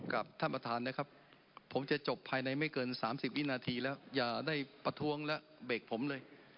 กับท่านประธานนะครับผมจะจบภายในไม่เกิน๓๐วินาทีแล้วอย่าได้ประท้วงและเบรกผมเลย